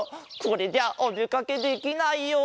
これじゃおでかけできないよ。